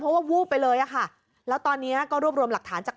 เพราะว่าวูบไปเลยอะค่ะแล้วตอนนี้ก็รวบรวมหลักฐานจาก